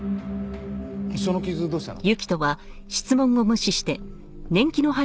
その傷どうしたの？